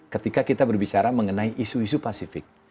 ketika kita berbicara mengenai isu isu pasifik